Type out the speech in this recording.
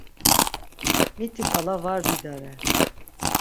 Mitiǩala var bidare.